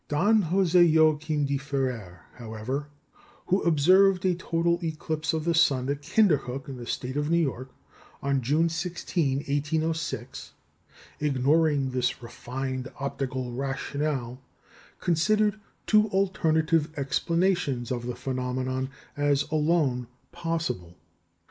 Don José Joaquim de Ferrer, however, who observed a total eclipse of the sun at Kinderhook, in the State of New York, on June 16, 1806, ignoring this refined optical rationale, considered two alternative explanations of the phenomenon as alone possible.